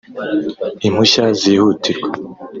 impushya zihutirwa